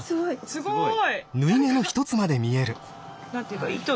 すごい。